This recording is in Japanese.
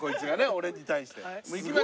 俺に対して。